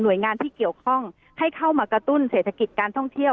โดยงานที่เกี่ยวข้องให้เข้ามากระตุ้นเศรษฐกิจการท่องเที่ยว